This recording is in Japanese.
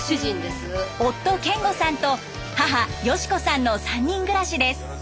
夫健五さんと母芳子さんの３人暮らしです。